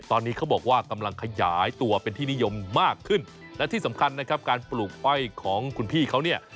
ตอนนี้เขาบอกว่ากำลังขยายตัวเป็นที่นิยมมากขึ้นและที่สำคัญนะครับการปลูกอ้อยของคุณพี่เขาเนี่ย